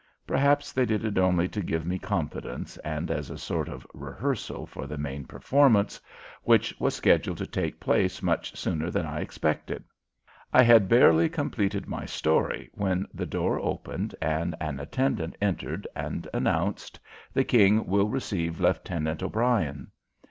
Perhaps they did it only to give me confidence and as a sort of rehearsal for the main performance, which was scheduled to take place much sooner than I expected. I had barely completed my story when the door opened and an attendant entered and announced: "The King will receive Leftenant O'Brien!"